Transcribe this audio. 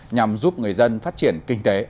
nhằm giúp người dân phát triển kinh tế